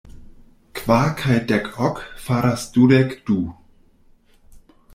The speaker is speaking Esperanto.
Kvar kaj dek ok faras dudek du.